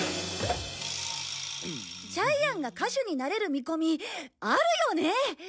ジャイアンが歌手になれるみこみあるよね？